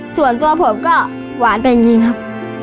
ส่วนตัวผมก็หวานเป็นอย่างนี้ครับ